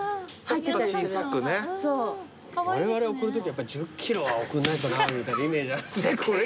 われわれ贈るときやっぱ１０ｋｇは贈んないとなみたいなイメージある。